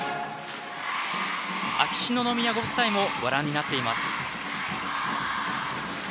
秋篠宮ご夫妻もご覧になっています。